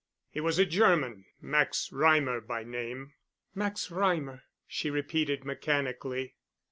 He was a German, Max Reimer, by name——" "Max Reimer," she repeated mechanically.